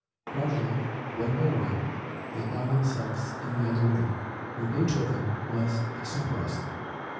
Gradually, one by one, they found themselves in the other room, where Beethoven was extemporizing.